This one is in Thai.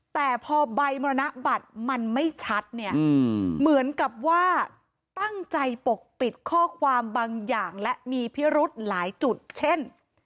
แต่พอใบมรณบัตรมันไม่ชัดเนี่ยเหมือนกับว่าตั้งใจปกปิดข้อความบางอย่างและมีพิรุธหลายจุดเช่น